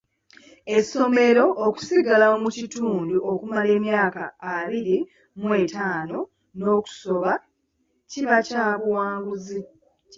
Essomero okusigala mu kitundu okumala emyaka abiri mu etaano n'okusoba, kiba kya buwanguzi.